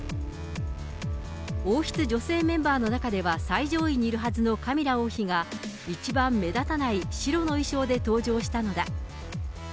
王室女性メンバーの中では最上位にいるはずのカミラ王妃が、一番目立たない白の衣装で登場したのだ。